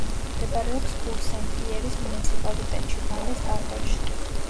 მდებარეობს ბურ-სენ-პიერის მუნიციპალიტეტში, ვალეს კანტონში.